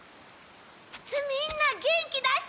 みんな元気出して！